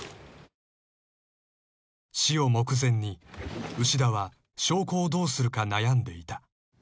［死を目前に牛田は証拠をどうするか悩んでいた］